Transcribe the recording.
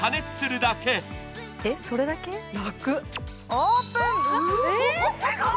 オープン！